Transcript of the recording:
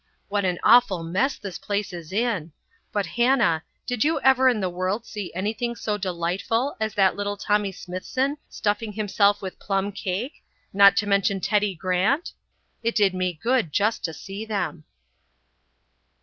What an awful mess this place is in! But, Hannah, did you ever in the world see anything so delightful as that little Tommy Smithson stuffing himself with plum cake, not to mention Teddy Grant? It did me good just to see them."